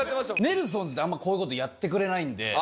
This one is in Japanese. ネルソンズってあんまりこういう事やってくれないんで。